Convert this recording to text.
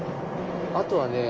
あとはね